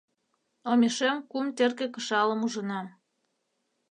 «Омешем кум терке кышалым ужынам!..